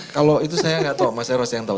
kalau itu saya gak tahu mas erosi yang tahu